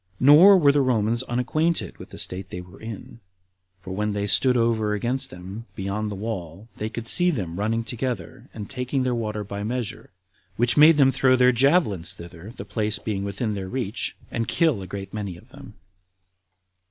Nor were the Romans unacquainted with the state they were in, for when they stood over against them, beyond the wall, they could see them running together, and taking their water by measure, which made them throw their javelins thither the place being within their reach, and kill a great many of them.